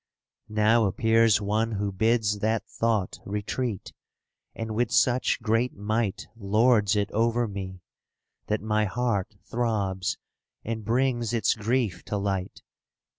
Now appears one who bids that thought retreat ;^ And with such great might lords it over me, That my heart throbs and brings its grief to light.